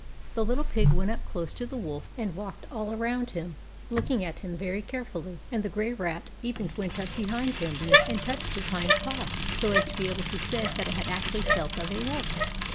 The Little Pig went up close to the Wolf, and walked all around him, looking at him very carefully ; and the Grey Rat even went up behind him, and touched his hind paw, so as to be able to say that it had actually felt of a Wolf.